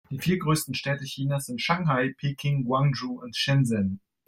Die vier größten Städte Chinas sind Shanghai, Peking, Guangzhou und Shenzhen.